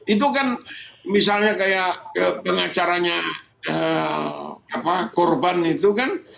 itu kan misalnya kayak pengacaranya korban itu kan